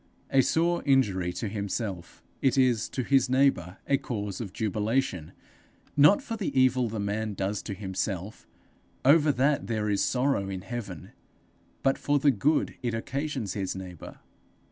A sore injury to himself, it is to his neighbour a cause of jubilation not for the evil the man does to himself over that there is sorrow in heaven but for the good it occasions his neighbour.